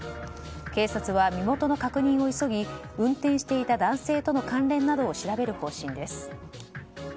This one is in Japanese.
警察は身元の確認を急ぎ運転していた男性との関連などを調べる方針です。